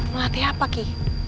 melatih apa ki